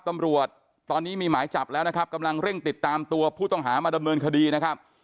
ตำรวจตอนนี้มีหมายจับแล้วนะครับกำลังเร่งติดตามตัวผู้ต้องหามาดำเนินคดีนะครับ